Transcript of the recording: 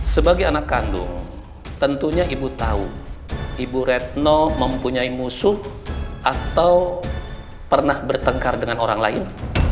sebagai anak kandung tentunya ibu tahu ibu retno mempunyai musuh atau pernah bertengkar dengan orang lain